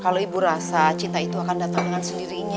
kalo ibu rasa cinta itu akan dateng dengan sendirinya